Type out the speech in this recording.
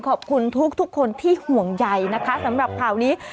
ขอบคุณทุกคนที่ห่วงใยนะคะสำหรับข่าวนี้